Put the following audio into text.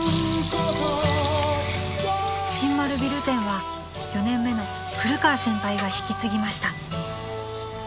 ［新丸ビル店は４年目の古川先輩が引き継ぎました］